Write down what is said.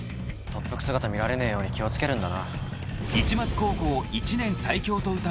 特服姿見られねえように気を付けるんだな。